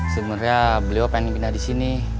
sebenernya beliau pengen pindah disini